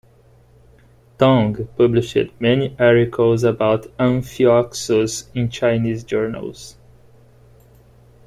Tong published many articles about amphioxus in Chinese journals.